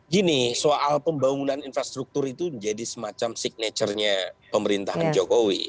gini soal pembangunan infrastruktur itu jadi semacam signature nya pemerintahan jokowi